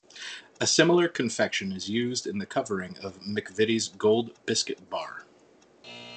A similar confection is used in the covering of McVitie's Gold biscuit bar.